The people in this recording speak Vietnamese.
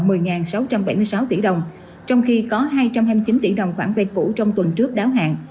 tổng cộng một mươi sáu trăm bảy mươi sáu tỷ đồng trong khi có hai trăm hai mươi chín tỷ đồng khoản vây cũ trong tuần trước đáo hạn